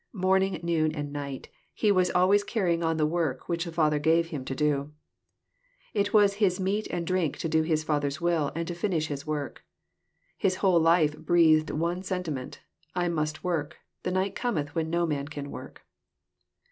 Horning, noon, and night He was always carrying on the work which the Father gave Hiin to do. It was His meat and drink to do His Father's will, and to finish His work. His whole life breathed one sentiment, —^^ I must work : the night cometh, when no man can work."